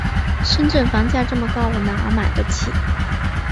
深圳房价这么高，我哪儿买得起？